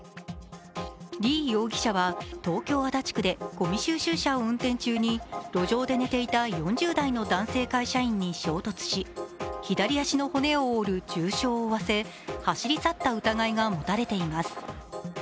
李容疑者は東京・足立区でごみ収集車を運転中に路上で寝ていた４０代の男性会社員に衝突し左足の骨を折る重傷を負わせ、走り去った疑いが持たれています。